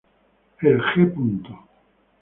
El G.·.